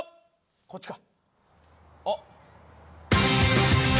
こっちか。